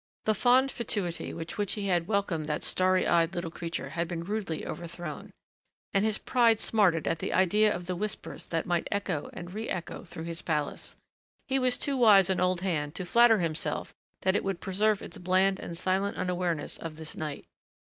The fond fatuity with which he had welcomed that starry eyed little creature had been rudely overthrown. And his pride smarted at the idea of the whispers that might echo and re echo through his palace. He was too wise an old hand to flatter himself that it would preserve its bland and silent unawareness of this night.